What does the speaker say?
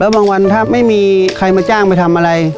บางวันถ้าไม่มีใครมาจ้างไปทำอะไร